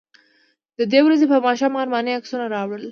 د دې ورځې په ماښام ارماني عکسونه راوړل.